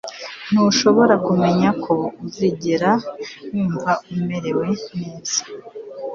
Ntushobora kumenya ko uzigera wumva umerewe neza